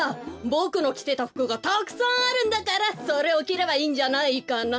ボクのきてたふくがたくさんあるんだからそれをきればいいんじゃないかな？